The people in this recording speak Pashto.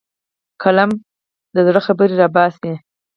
قلم له زړه خبرې راوباسي